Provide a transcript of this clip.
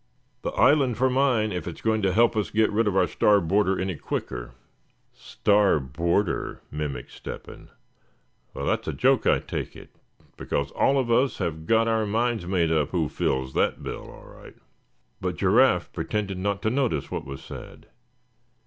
The island for mine, if it's going to help us get rid of our star boarder any quicker." "Star boarder!" mimicked Step hen; "well, that's a joke I take it; because all of us have got our minds made up who fills that bill, all right." But Giraffe pretended not to notice what was said.